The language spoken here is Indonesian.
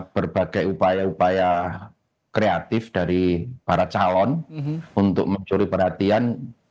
berbagai upaya upaya kreatif dari para calon untuk mencuri perhatian